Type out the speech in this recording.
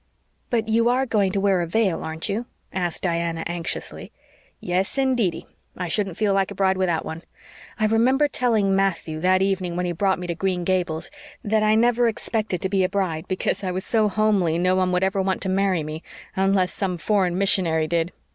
"But you are going to wear a veil, aren't you?" asked Diana, anxiously. "Yes, indeedy. I shouldn't feel like a bride without one. I remember telling Matthew, that evening when he brought me to Green Gables, that I never expected to be a bride because I was so homely no one would ever want to marry me unless some foreign missionary did.